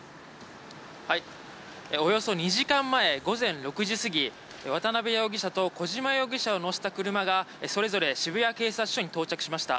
およそ２時間前午前６時過ぎ渡邉容疑者と小島容疑者を乗せた車がそれぞれ渋谷警察署に到着しました。